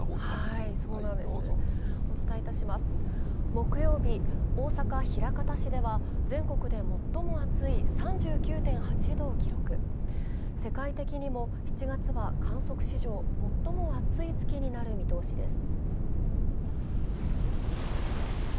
木曜日、大阪・枚方市では全国で最も暑い３９．８度を記録、世界的に７月は観測史上、最も暑い月になる見通しです。